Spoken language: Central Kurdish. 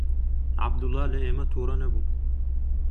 عەبدوڵڵا لە ئێمە تووڕە نەبوو.